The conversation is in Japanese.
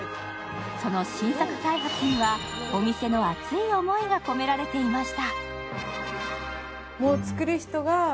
その新作開発にはお店の熱い思いが込められていました。